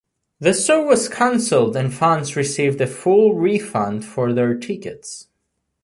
The show was cancelled and fans received a full refund for their tickets.